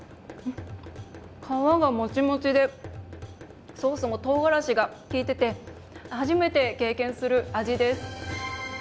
皮がもちもちでソースもとうがらしが利いてて初めて経験する味です。